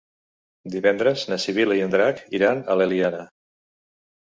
Divendres na Sibil·la i en Drac iran a l'Eliana.